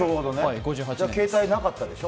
じゃあ携帯なかったでしょ。